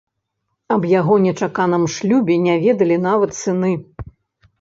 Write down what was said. Аб яго нечаканым шлюбе не ведалі нават сыны.